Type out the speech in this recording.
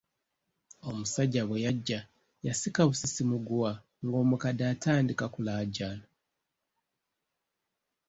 Omusajja bwe yajja yasika busisi muguwa ng’omukadde atandika kulaajana.